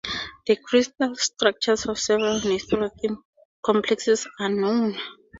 The crystal structures of several nitrophorin complexes are known.